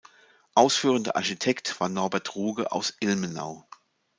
Ausführender Architekt war Norbert Ruge aus Ilmenau.